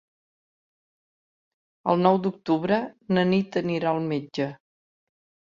El nou d'octubre na Nit anirà al metge.